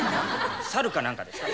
猿かなんかですか？